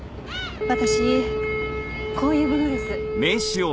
私こういう者です。